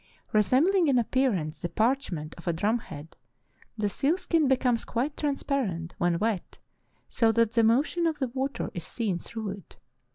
Resembling in appearance the parch ment of a drum head, the seal skin becomes quite transparent when wet so that the motion of the water is seen through it.